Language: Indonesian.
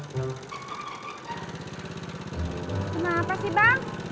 kenapa sih bang